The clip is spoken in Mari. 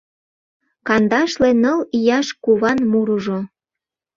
Кандашле ныл ияш куван мурыжо.